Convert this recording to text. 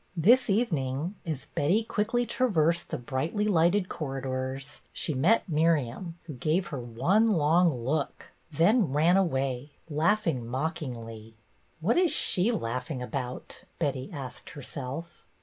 This evening, as Betty quickly traversed the brightly lighted corridors, she met Mir iam, who gave her one long look, then ran away laughing mockingly. " What is she laughing about ?" Betty asked herself.